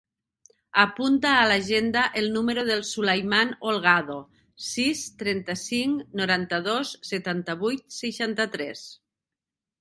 Apunta a l'agenda el número del Sulaiman Holgado: sis, trenta-cinc, noranta-dos, setanta-vuit, seixanta-tres.